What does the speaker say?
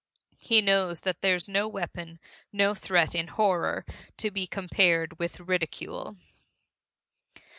He knows that there's no weapon, no threat, in horror, to be compared with ridicule.